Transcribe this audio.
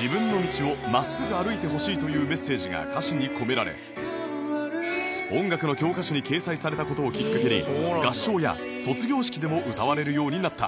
自分の道を真っすぐ歩いてほしいというメッセージが歌詞に込められ音楽の教科書に掲載された事をきっかけに合唱や卒業式でも歌われるようになった